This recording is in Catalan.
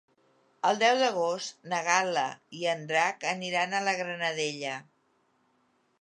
El deu d'agost na Gal·la i en Drac aniran a la Granadella.